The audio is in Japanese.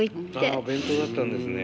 あお弁当だったんですね。